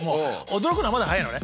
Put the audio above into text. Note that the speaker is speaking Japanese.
驚くのはまだ早いのね。